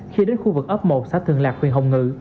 khi đến khu vực ấp một xã thường lạc huyện hồng ngự